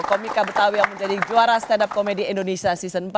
komika betawi yang menjadi juara stand up komedi indonesia season empat